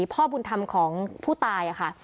พ่อบุญธรรมของผู้ตายค่ะ